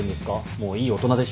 もういい大人でしょ。